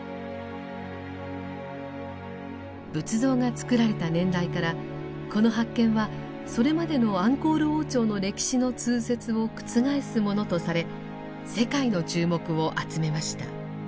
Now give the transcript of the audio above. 仏像が造られた年代からこの発見はそれまでのアンコール王朝の歴史の通説を覆すものとされ世界の注目を集めました。